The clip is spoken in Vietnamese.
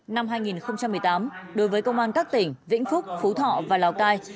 năm hai nghìn một mươi tám đối với công an các tỉnh vĩnh phúc phú thọ và lào cai